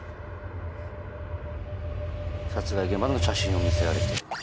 殺害現場の写真を見せられてる。